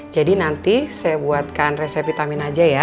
jadi nanti saya buatkan resep vitamin aja ya